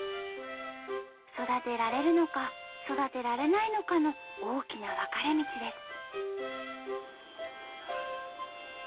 育てられるのか育てられないかの大きな分かれ道です。